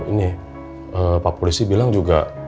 ini pak polisi bilang juga